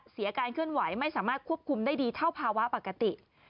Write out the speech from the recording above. การเคลื่อนไหวไม่สามารถควบคุมได้ดีเท่าภาวะปกติ